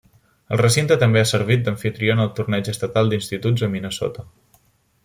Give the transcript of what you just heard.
El recinte també ha servit d'amfitrió en el torneig estatal d'instituts a Minnesota.